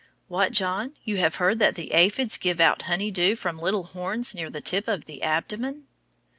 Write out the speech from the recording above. What, John, you have heard that the aphids give out honey dew from two little horns near the tip of the abdomen?